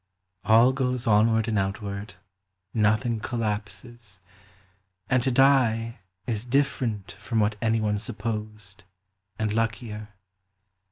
All goes onward and outward, nothing collapses, And to die is different from what any one supposed, and luckier.